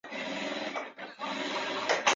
布纹螺为布纹螺科布纹螺属下的一个种。